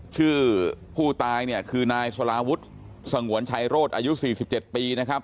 ชื่อผู้ตายเนี่ยคือนายสลาวุฒิสงวนชัยโรศอายุ๔๗ปีนะครับ